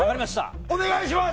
お願いします！